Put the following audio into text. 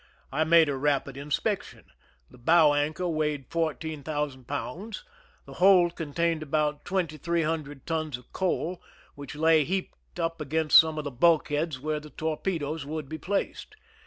I made a rapid inspection : the bow anchor weighed fourteen thousand pounds; the hold contained about twenty three hundred tons of coal, which lay heaped up against some of the bulkheads where the torpedoes would be placed.